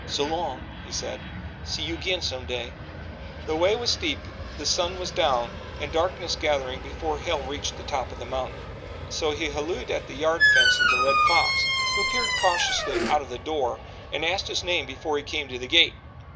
"So long," he said. "See you agin some day." The way was steep and the sun was down and darkness gathering before Hale reached the top of the mountain so he hallooed at the yard fence of the Red Fox, who peered cautiously out of the door and asked his name before he came to the gate.